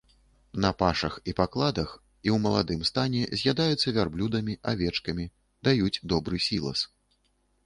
На пашах і пакладах і у маладым стане з'ядаюцца вярблюдамі, авечкамі, даюць добры сілас.